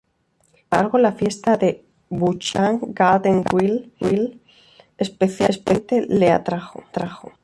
Sin embargo, la fiesta de Wuchang Garden Hill especialmente le atrajo.